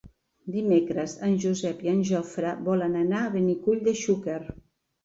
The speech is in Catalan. Dimecres en Josep i en Jofre volen anar a Benicull de Xúquer.